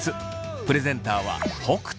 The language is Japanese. プレゼンターは北斗。